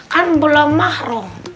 kan belum mahrum